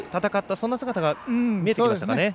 そんな姿が見えてきましたかね。